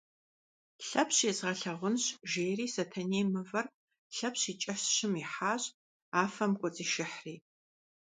Лъэпщ езгъэлъагъунщ, – жери Сэтэней мывэр Лъэпщ и кӏыщым ихьащ, афэм кӏуэцӏишыхьри.